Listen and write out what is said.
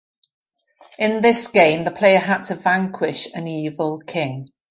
In this game the player had to vanquish an evil king.